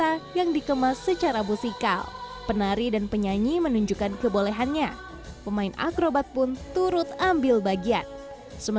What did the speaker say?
lounge dua ratus tujuh puluh ini menarik karena tidak hanya memiliki panggilan dan kemampuan terbang di teater